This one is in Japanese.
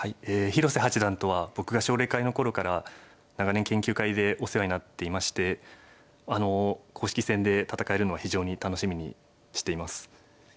広瀬八段とは僕が奨励会の頃から長年研究会でお世話になっていましてあの公式戦で戦えるのは非常に楽しみにしています。